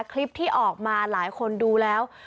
คลิปที่ออกมาหลายคนดูแล้ว